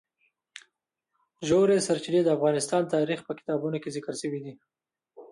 ژورې سرچینې د افغان تاریخ په کتابونو کې ذکر شوی دي.